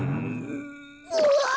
うわ！